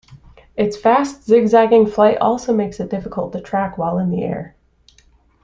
Its fast, zig-zagging flight also makes it difficult to track while in the air.